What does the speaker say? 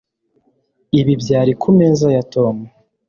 Ibi byari kumeza ya Tom